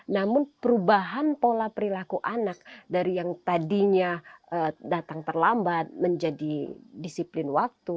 namun perubahan pola perilaku anak dari yang tadinya datang terlambat menjadi disiplin waktu